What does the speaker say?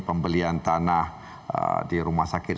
pembelian tanah di rumah sakit